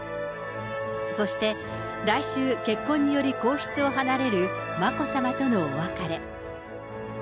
そして来週、結婚により皇室を離れる眞子さまとのお別れ。